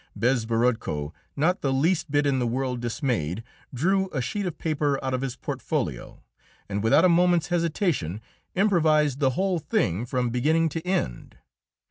Bezborodko, not the least bit in the world dismayed, drew a sheet of paper out of his portfolio, and without a moment's hesitation improvised the whole thing from beginning to end.